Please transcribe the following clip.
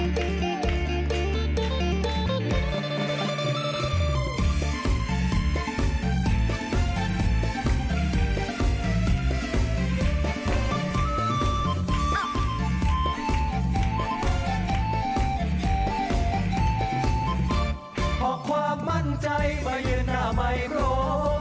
เพราะความมั่นใจมายืนหน้าไม้โครง